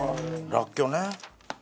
らっきょうね。